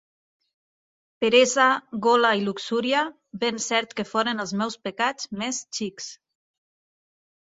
Peresa, gola i luxúria, ben cert que foren els meus pecats més xics.